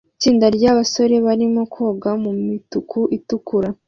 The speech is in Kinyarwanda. Itsinda ryabasore barimo koga mumituku itukura